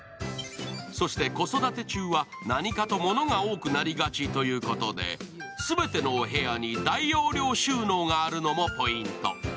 そして子育て中は何かと物が多くなりがちということで、全てのお部屋に大容量収納があるのもポイント。